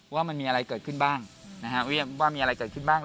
ว่ามันมีอะไรเกิดขึ้นบ้างนะฮะว่ามีอะไรเกิดขึ้นบ้าง